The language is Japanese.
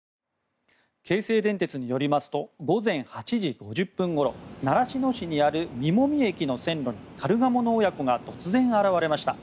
京成電鉄によりますと午前８時５０分ごろ習志野市にある実籾駅の線路にカルガモの親子が突然、現れました。